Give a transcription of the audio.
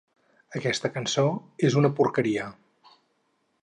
Aquesta cançó és una porqueria.